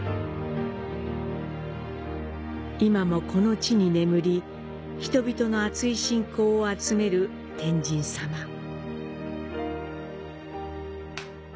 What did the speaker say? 今もこの地に眠り、人々の厚い信仰を集める「天神さま」。